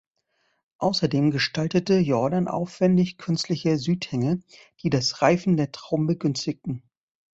Außerdem gestaltete Jordan aufwändig künstliche Südhänge, die das Reifen der Trauben begünstigten.